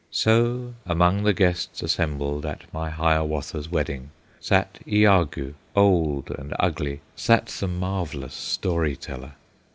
So among the guests assembled At my Hiawatha's wedding Sat Iagoo, old and ugly, Sat the marvellous story teller.